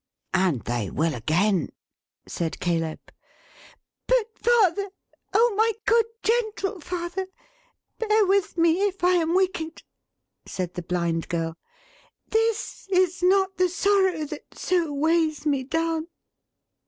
"And they will again," said Caleb. "But father! Oh my good, gentle father, bear with me, if I am wicked!" said the Blind Girl. "This is not the sorrow that so weighs me down!"